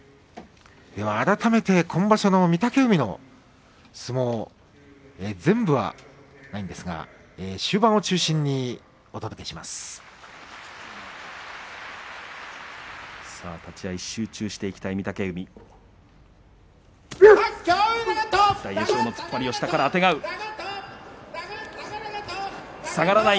改めて今場所の御嶽海の相撲全部ではないんですが終盤を中心にお届けします。